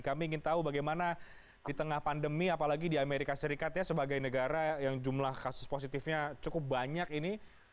kami ingin tahu bagaimana di tengah pandemi apalagi di amerika serikat ya sebagai negara yang jumlah kasus positifnya cukup banyak ini